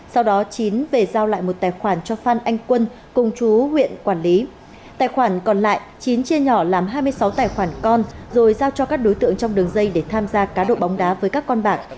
tài khoản còn lại chín chia nhỏ làm hai mươi sáu tài khoản con rồi giao cho các đối tượng trong đường dây để tham gia cá độ bóng đá với các con bạn